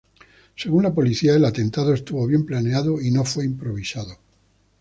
Según la policía, el atentado estuvo bien planeado y no fue improvisado.